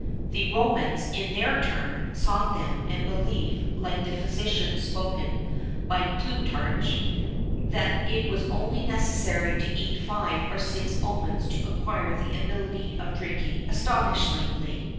[XIV 4] The Romans, in their turn, sought them, and believed, like the physician spoken of by Plutarch, that it was only necessary to eat five or six almonds to acquire the ability of drinking astonishingly.